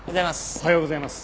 おはようございます。